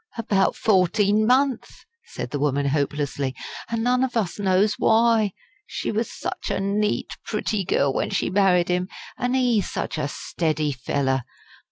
"About fourteen month," said the woman, hopelessly. "An' none of us knows why. She was such a neat, pretty girl when she married 'im an' ee such a steady fellow.